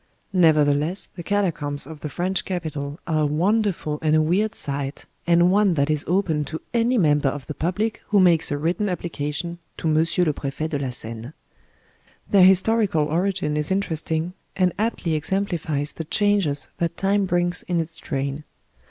Nevertheless, the catacombs of the French capital are a wonderful and a weird sight, and one that is open to any member of the public who makes a written application to Monsieur le Prefet de la Seine. Their historical origin is interesting, and aptly exemplifies the changes that time brings in its train.